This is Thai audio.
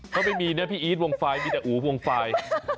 ก็ไม่มีพี่อีสวงฟายมีแต่อูววงฟาย